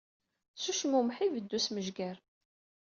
S ucmummeḥ i ibeddu usmejger.